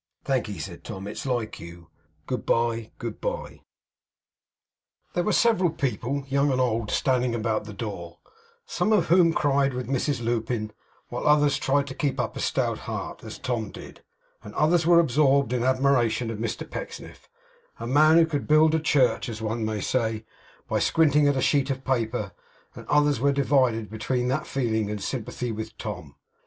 'Thank'ee,' said Tom. 'It's like you. Good bye. Good bye.' There were several people, young and old, standing about the door, some of whom cried with Mrs Lupin; while others tried to keep up a stout heart, as Tom did; and others were absorbed in admiration of Mr Pecksniff a man who could build a church, as one may say, by squinting at a sheet of paper; and others were divided between that feeling and sympathy with Tom.